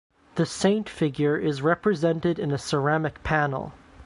The Saint figure is represented in a ceramic panel.